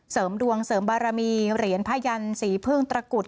เสริมดวงเสริมบารมีเหรียญพยันสีพึ่งตระกุด